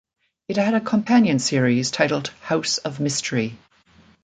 It had a companion series titled "House of Mystery".